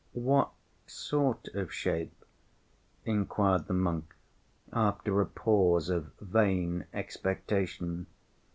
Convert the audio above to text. "What sort of shape?" inquired the monk, after a pause of vain expectation.